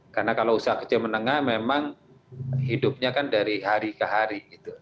karena kalau usaha kecil menengah memang hidupnya kan dari hari ke hari gitu